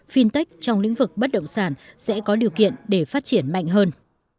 fintech trong lĩnh vực bất động sản sẽ có điều kiện để phát triển mạnh hơn